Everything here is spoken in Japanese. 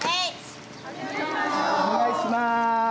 お願いします。